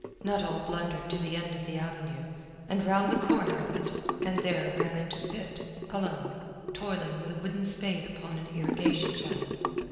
Nuttall blundered to the end of the avenue, and round the corner of it, and there ran into Pitt, alone, toiling with a wooden spade upon an irrigation channel.